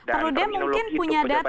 oke perudem mungkin punya data mas fadli